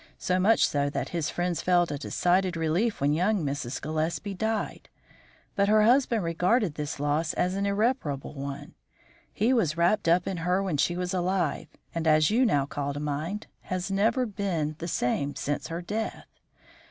So much so that his friends felt a decided relief when young Mrs. Gillespie died. But her husband regarded this loss as an irreparable one; he was wrapped up in her when she was alive, and, as you now call to mind, has never been the same man since her death.